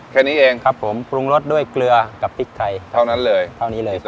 แค่นี้เองครับผมปรุงรสด้วยเกลือกับพริกไทยเท่านั้นเลยเท่านี้เลย